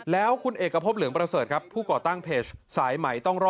แล้วคุณเอกพบเหลืองประเสริฐครับผู้ก่อตั้งเพจสายใหม่ต้องรอ